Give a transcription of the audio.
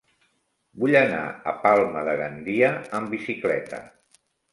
Vull anar a Palma de Gandia amb bicicleta.